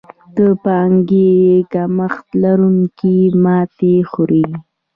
د پانګې کمښت لرونکي ماتې خوري.